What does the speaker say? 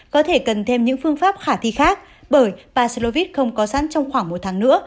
có thể cần thêm những phương pháp khả thi khác bởi paslovit không có sẵn trong khoảng một tháng nữa